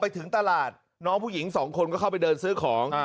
ถึงตลาดน้องผู้หญิงสองคนก็เข้าไปเดินซื้อของ